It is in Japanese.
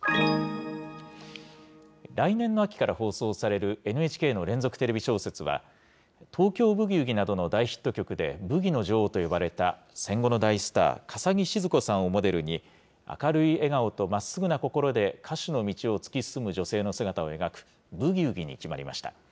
来年の秋から放送されるＮＨＫの連続テレビ小説は、東京ブギウギなどの大ヒット曲でブギの女王と呼ばれた戦後の大スター、笠置シヅ子さんをモデルに、明るい笑顔とまっすぐな心で、歌手の道を突き進む女性の姿を描く、ブギウギに決まりました。